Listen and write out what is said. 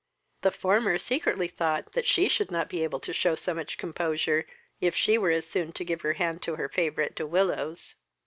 The former secretly thought she should not be able to shew so much composure if she were as soon to give her hand to her favourite De Willows.